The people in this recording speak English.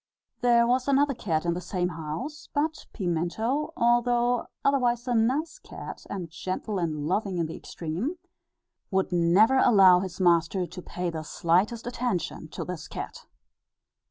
There was another cat in the same house; but Pimento, although otherwise a nice cat, and gentle and loving in the extreme, would never allow his master to pay the slightest attention to this cat.